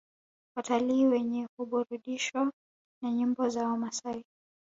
Watalii wengi huburudishwa na nyimbo za wamasai